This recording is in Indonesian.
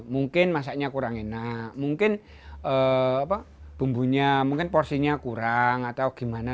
mungkin masaknya kurang enak mungkin bumbunya mungkin porsinya kurang atau gimana